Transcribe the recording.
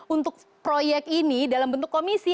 untuk proyek ini dalam bentuk komisi